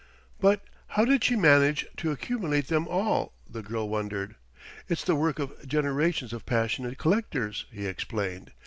"But how did she manage to accumulate them all?" the girl wondered. "It's the work of generations of passionate collectors," he explained.